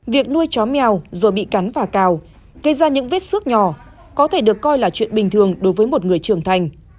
việc nuôi chó mèo rồi bị cắn và cào gây ra những vết xước nhỏ có thể được coi là chuyện bình thường đối với một người trưởng thành